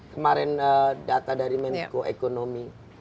kemarin data dari menko ekonomi